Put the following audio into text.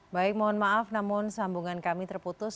baik mohon maaf namun sambungan kami terputus